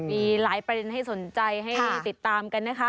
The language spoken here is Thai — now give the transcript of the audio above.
มีหลายประเด็นให้สนใจให้ติดตามกันนะคะ